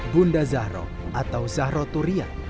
bunda zahrok atau zahro turiat